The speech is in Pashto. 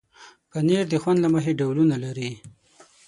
پنېر د خوند له مخې ډولونه لري.